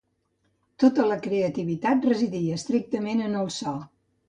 Tota la creativitat residia estrictament en el so.